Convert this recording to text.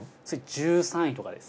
１３位とかです。